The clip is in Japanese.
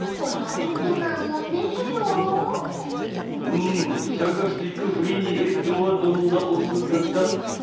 うんサーカスティック・フリンジヘッドはどんなおすがた？